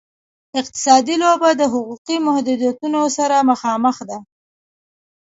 اقتصادي لوبه د حقوقي محدودیتونو سره مخامخ ده.